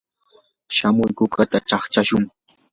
shamuy kukata kachushun.